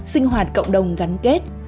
sinh hoạt cộng đồng gắn kết